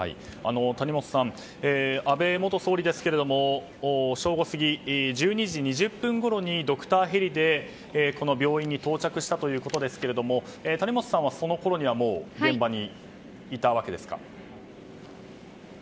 谷元さん、安倍元総理ですが正午過ぎ、１２時２０分ごろにドクターヘリでこの病院に到着したということですが谷元さんはそのころには現場にいたわけですか？